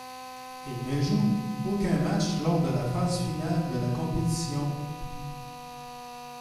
Il ne joue aucun match lors de la phase finale de la compétition.